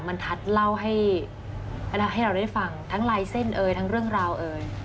บรรทัศน์เล่าให้เราได้ฟังทั้งลายเส้นเอ่ยทั้งเรื่องราวเอ่ย